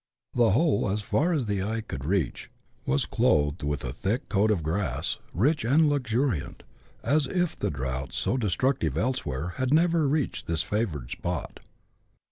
The whole, as far as the eye could reach, was clothed with a thick coat of grass, rich and luxuriant, as if the drought, so destructive elsewhere, had never reached this favoured spot.